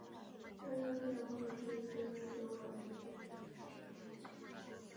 主要生物学功能是作为动物和真菌的能量储存物质。